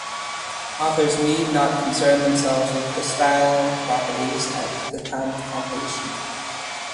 Authors need not concern themselves with the style properties at the time of composition.